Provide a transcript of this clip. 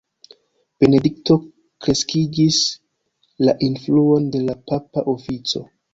Benedikto kreskigis la influon de la papa ofico.